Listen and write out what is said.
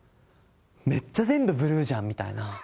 めっちゃ全部ブルーじゃんみたいな。